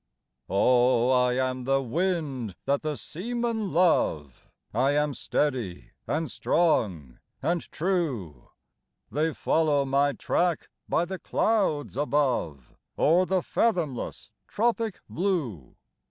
Oh, I am the wind that the seamen love I am steady, and strong, and true; They follow my track by the clouds above O'er the fathomless tropic blue.